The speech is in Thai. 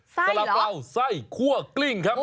สาระเป๋าไส้คั่วกลิ้งครับ